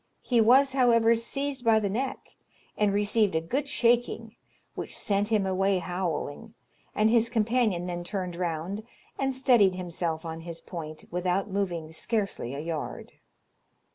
He was, however, seized by the neck, and received a good shaking, which sent him away howling, and his companion then turned round and steadied himself on his point, without moving scarcely a yard.